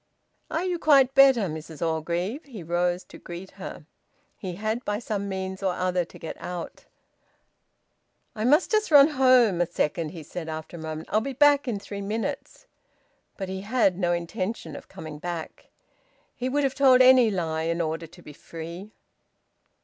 "Are you quite better, Mrs Orgreave?" he rose to greet her. He had by some means or other to get out. "I must just run in home a second," he said, after a moment. "I'll be back in three minutes." But he had no intention of coming back. He would have told any lie in order to be free.